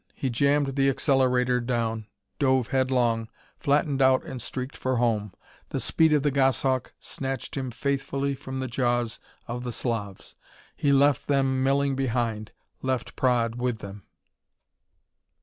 He jammed the accelerator down, dove headlong, flattened out and streaked for home. The speed of the Goshawk snatched him faithfully from the jaws of the Slavs. He left then milling behind. Left Praed with them!